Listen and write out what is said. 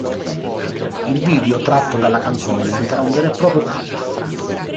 Il video tratto dalla canzone diventerà un vero e proprio cult.